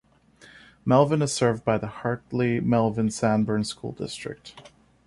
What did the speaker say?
Melvin is served by the Hartley-Melvin-Sanborn School District.